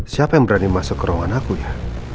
siapa yang berani masuk ke ruangan aku ya